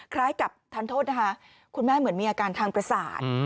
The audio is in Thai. คล้ายกับทานโทษนะคะคุณแม่เหมือนมีอาการทางประสาท